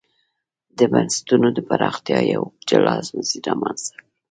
د بنسټونو د پراختیا یو جلا مسیر رامنځته کړ.